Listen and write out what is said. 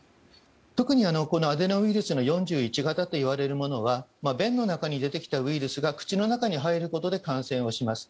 特にアデノウイルスの４１型といわれるものは便の中に出てきたウイルスが口の中に入ることで感染をします。